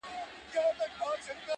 پوليس کور ته راځي ناڅاپه-